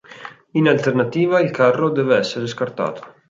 In alternativa, il carro deve essere scartato.